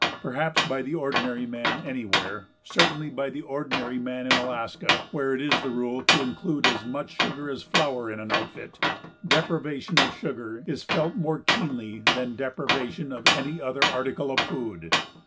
Perhaps by the ordinary man anywhere, certainly by the ordinary man in Alaska, where it is the rule to include as much sugar as flour in an outfit, deprivation of sugar is felt more keenly than deprivation of any other article of food.